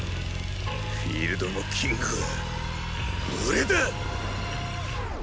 フィールドのキングは俺だ！